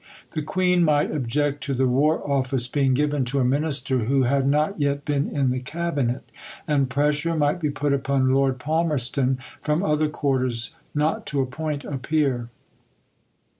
The Queen might object to the War Office being given to a Minister who had not yet been in the Cabinet, and pressure might be put upon Lord Palmerston from other quarters not to appoint a Peer.